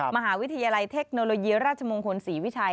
มหาวิทยาลัยเทคโนโลยีราชมงคลศรีวิชัย